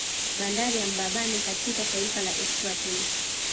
Bandari ya Mbabane katika taifa la Eswatini